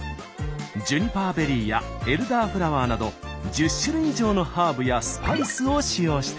ジュニパーベリーやエルダーフラワーなど１０種類以上のハーブやスパイスを使用しています。